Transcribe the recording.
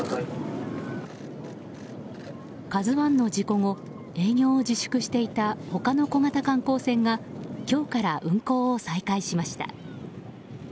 「ＫＡＺＵ１」の事故後営業を自粛していた他の小型観光船が今日から運航を再開しました。